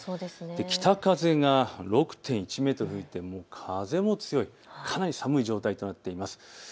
北風が６．１メートル、風も強い、かなり寒い状態となっています。